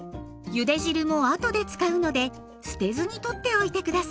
ゆで汁も後で使うので捨てずにとっておいて下さい。